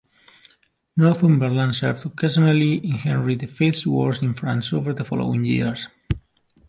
Northumberland served occasionally in Henry the Fifth's wars in France over the following years.